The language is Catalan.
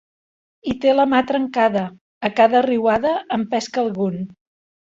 Hi té la mà trencada, a cada riuada en pesca algun.